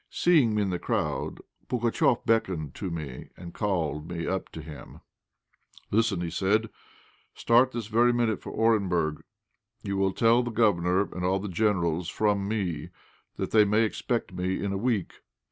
Seeing me in the crowd Pugatchéf beckoned to me and called me up to him. "Listen," said he, "start this very minute for Orenburg. You will tell the governor and all the generals from me that they may expect me in a week.